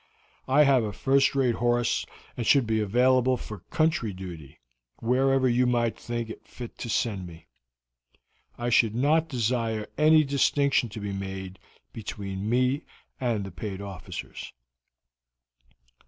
I have a first rate horse and should be available for country duty, wherever you might think fit to send me. I should not desire any distinction to be made between me and the paid officers."